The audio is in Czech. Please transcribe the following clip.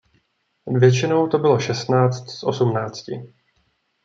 Většinou to bylo šestnáct z osmnácti.